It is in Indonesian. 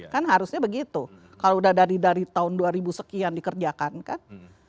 kan harusnya begitu kalau udah dari tahun dua ribu sekian dikerjakan kan